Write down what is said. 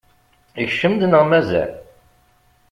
Ikcem-d neɣ mazal?